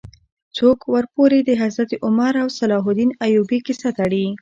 څوک ورپورې د حضرت عمر او صلاح الدین ایوبي کیسه تړي.